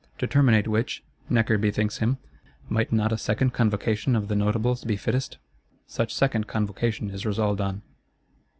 To terminate which, Necker bethinks him, Might not a second Convocation of the Notables be fittest? Such second Convocation is resolved on.